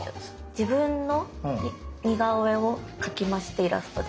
自分の似顔絵を描きましてイラストで。